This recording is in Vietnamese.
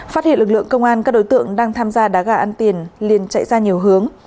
phát hiện lực lượng công an các đối tượng đang tham gia đá gà ăn tiền liền chạy ra nhiều hướng